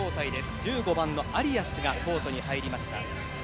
１５番のアリアスがコートに入りました。